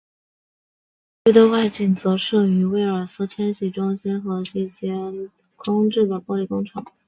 其余的外景则摄于威尔斯千禧中心和一间空置的玻璃工厂。